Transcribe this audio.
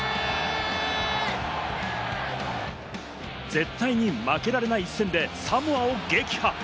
絶対に負けられない一戦でサモアを撃破。